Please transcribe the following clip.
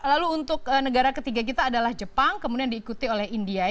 lalu untuk negara ketiga kita adalah jepang kemudian diikuti oleh india